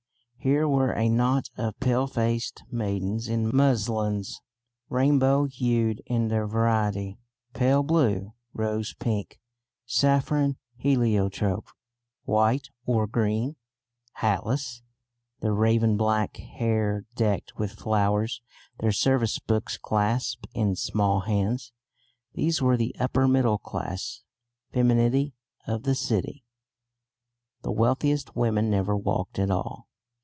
Here were a knot of palefaced maidens in muslins, rainbow hued in their variety, pale blue, rose pink, saffron, heliotrope, white or green hatless, their raven black hair decked with flowers, their service books clasped in small hands. These were the upper middle class femininity of the city (the wealthiest women never walk at all).